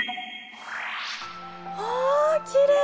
わきれい！